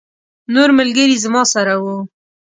نور ملګري زما سره وو.